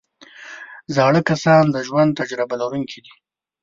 زاړه کسان د ژوند تجربه لرونکي دي